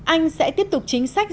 anh sẽ tiếp tục chính sách